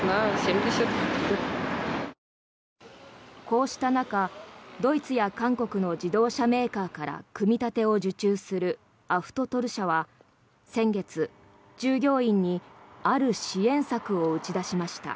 こうした中、ドイツや韓国の自動車メーカーから組み立てを受注するアフトトル社は先月、従業員にある支援策を打ち出しました。